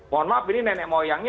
mohon maaf ini nenek moyangnya